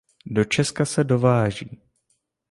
Do Česka se dováží.